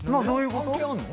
どういうこと？